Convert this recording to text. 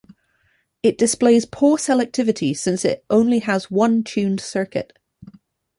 It displays poor selectivity since it only has one tuned circuit.